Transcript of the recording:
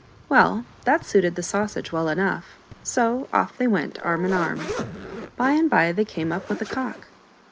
Well, that suited the Sausage well enough, so off they went, arm in arm. By and by they came up with a cock.